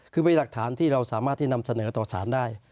คือมีหลักฐานที่เราสามารถที่นำเสนอต่อสารได้